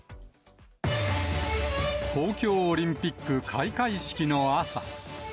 東京オリンピック開会式の朝。